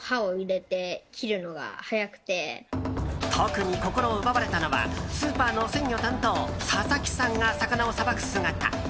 特に心を奪われたのがスーパーの鮮魚担当佐々木さんが魚をさばく姿。